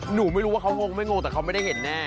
หนูไม่รู้ว่าเขางงไม่งงแต่เขาไม่ได้เห็นแน่